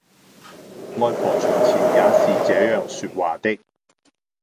外婆從前也是這樣說話的